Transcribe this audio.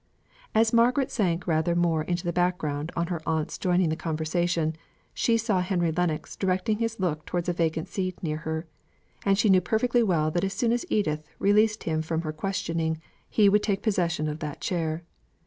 As Margaret sank rather more into the background on her aunt's joining the conversation, she saw Henry Lennox directing his look towards a vacant seat near her; and she knew perfectly well that as soon as Edith released him from her questioning, he would take possession of that chair.